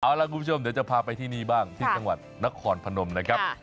เอาล่ะคุณผู้ชมเดี๋ยวจะพาไปที่นี่บ้างที่จังหวัดนครพนมนะครับ